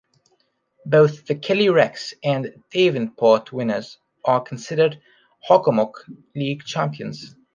Both the Kelley-Rex and Davenport winners are considered Hockomock League champions.